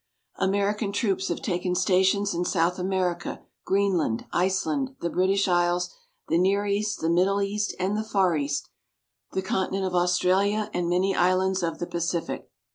American troops have taken stations in South America, Greenland, Iceland, the British Isles, the Near East, the Middle East and the Far East, the continent of Australia, and many islands of the Pacific.